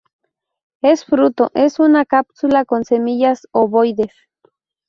Es fruto es una cápsula con semillas ovoides.